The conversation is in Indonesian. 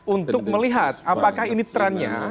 untuk melihat apakah ini trennya